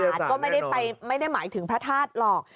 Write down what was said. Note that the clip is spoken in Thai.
วิทยาศาสตร์ก็ไม่ได้หมายถึงพระธาตุหรอก